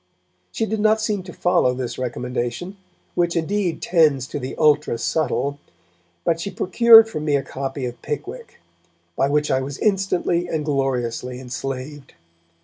She did not seem to follow this recommendation, which indeed tends to the ultra subtle, but she procured for me a copy of Pickwick, by which I was instantly and gloriously enslaved.